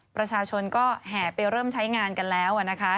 ประชาชนก็แห่ไปเริ่มใช้งานกันแล้วนะคะ